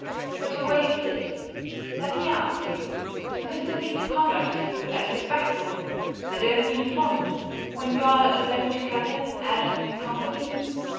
But to wave this: let me ask you, is Mr. B.'s conduct to you as respectful, I don't mean fond, when you are alone together, as in company?